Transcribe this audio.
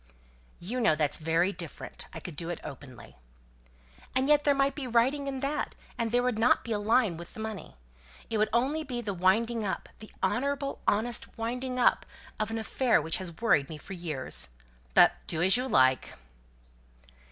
"You know that's very different. I could do it openly." "And yet there might be writing in that; and there wouldn't be a line with the money. It would only be the winding up the honourable, honest winding up of an affair which has worried me for years. But do as you like!"